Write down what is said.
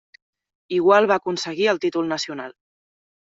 Igual va aconseguir el títol nacional.